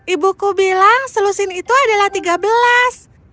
ibuku bilang selusin itu adalah tiga belas